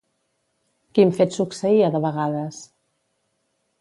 Quin fet succeïa de vegades?